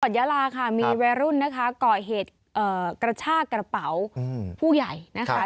จังหวัดเยลาค่ะมีแวรุ่นนะคะก่อเหตุกระชากระเป๋าผู้ใหญ่นะคะ